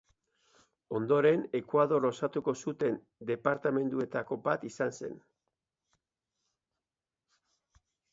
Ondoren Ekuador osatuko zuten departamenduetako bat izan zen.